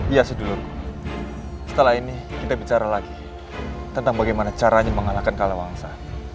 iya sedulur setelah ini kita bicara lagi tentang bagaimana caranya mengalahkan kalawangsa